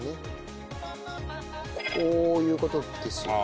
こういう事ですよね？